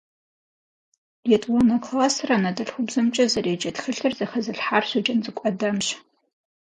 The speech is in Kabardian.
Етӏуанэ классыр анэдэлъхубзэмкӏэ зэреджэ тхылъыр зэхэзылъхьар Щоджэнцӏыкӏу Адэмщ.